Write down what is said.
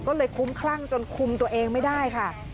ก็เลยคุ้มคลั่งจนคุมตัวเองไม่ได้ค่ะ